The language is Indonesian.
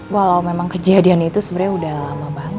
walau memang kejadian itu sebenarnya udah lama banget